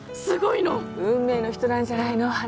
すごいの運命の人なんじゃないの？